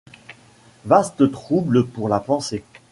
Vaste trouble pour la pensée.